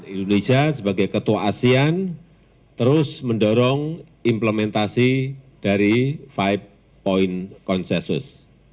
indonesia sebagai ketua asean terus mendorong implementasi dari vibe point konsensus